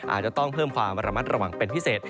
อาจจะต้องเพิ่มความระมัดระวังเป็นพิเศษ